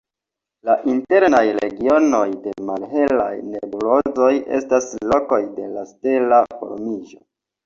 La internaj regionoj de malhelaj nebulozoj estas lokoj de la stela formiĝo.